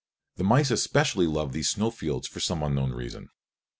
The mice especially love these snow fields for some unknown reason.